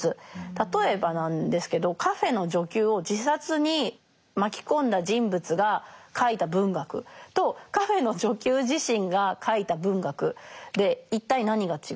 例えばなんですけどカフェーの女給を自殺に巻き込んだ人物が書いた文学とカフェーの女給自身が書いた文学で一体何が違うのか。